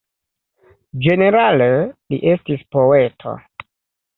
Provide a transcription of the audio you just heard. Ĝenerale li estis poeto.